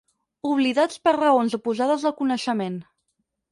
Oblidats per raons oposades al coneixement.